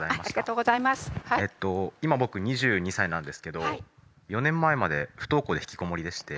えと今僕２２歳なんですけど４年前まで不登校で引きこもりでして。